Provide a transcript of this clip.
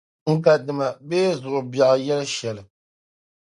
n ka dima bee zuɣubiɛɣu yɛl’ shɛli.